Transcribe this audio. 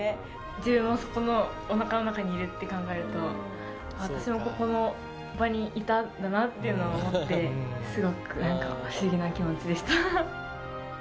自分もこのおなかの中にいるって考えると私もここの場にいたんだなっていうのを思ってすごく不思議な気持ちでした。